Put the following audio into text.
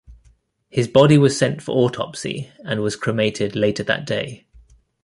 His body was sent for autopsy and was cremated later that day.